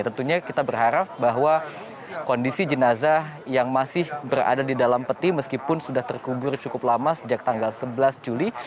tentunya kita berharap bahwa kondisi jenazah yang masih berada di dalam peti meskipun sudah terkubur cukup lama sejak tanggal sebelas juli